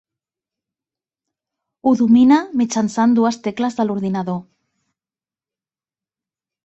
Ho domina mitjançant dues tecles de l'ordinador.